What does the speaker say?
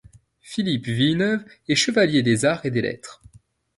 Philippe Villeneuve est chevalier des Arts et des Lettres.